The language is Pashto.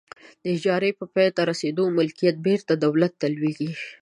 د اجارې په پای ته رسیدو ملکیت بیرته دولت ته لویږي.